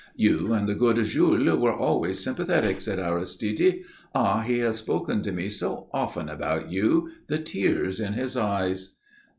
"You and the good Jules were always sympathetic," said Aristide. "Ah! he has spoken to me so often about you, the tears in his eyes."